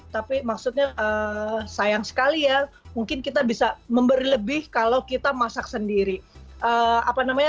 tapi maksudnya sayang sekali ya mungkin kita bisa memberi lebih kalau kita masak sendiri